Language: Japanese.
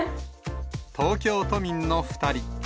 東京都民の２人。